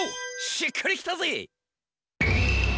しっくりきたぜ！